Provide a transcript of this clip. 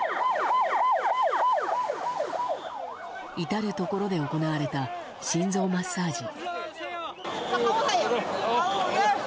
至るところで行われた心臓マッサージ。